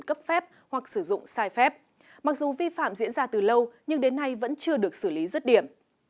cấp phép hoặc sử dụng sai phép mặc dù vi phạm diễn ra từ lâu nhưng đến nay vẫn chưa được xử lý rứt điểm